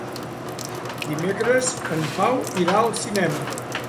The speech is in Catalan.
Dimecres en Pau irà al cinema.